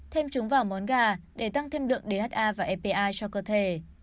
thêm chúng vào món gà để tăng thêm lượng dha và epi cho cơ thể